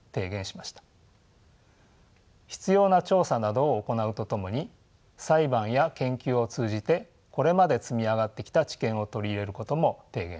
必要な調査などを行うとともに裁判や研究を通じてこれまで積み上がってきた知見を取り入れることも提言しました。